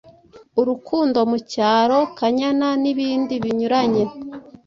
Urukundo mu cyaro, Kanyana n’ibindi binyuranye.